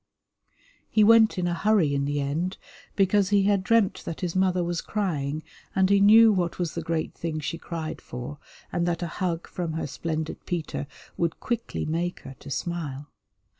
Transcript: He went in a hurry in the end because he had dreamt that his mother was crying, and he knew what was the great thing she cried for, and that a hug from her splendid Peter would quickly make her to smile.